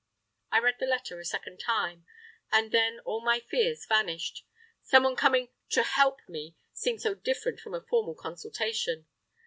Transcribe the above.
I read the letter a second time, and then all my fears vanished. Someone coming "to help" me seemed so different from a formal consultation.